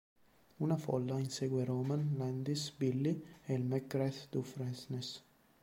Una folla insegue Roman, Landis, Billy e il McGrath-Dufresnes.